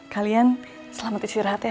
kalian selamat istirahat ya